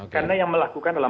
karena yang melakukan adalah